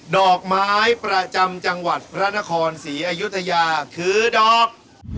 ดอกไม้ประจำจังหวัดพระนครศรีอยุธยาคือดอก